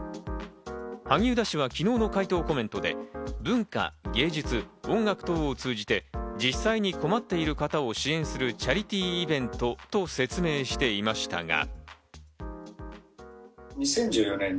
萩生田氏は昨日の回答コメントで文化・芸術・音楽等を通じて、実際に困っている方を支援するチャリティーイベントと説明していましたが。